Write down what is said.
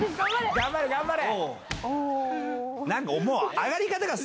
頑張れ頑張れ！